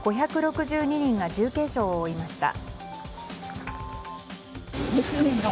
５６２人が重軽傷を負いました。